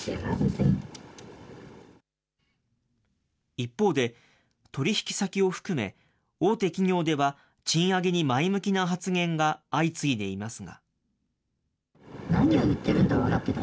一方で、取り引き先を含め、大手企業では賃上げに前向きな発言が相次いでいますが。